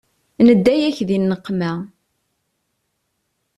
Nedda-yak di nneqma.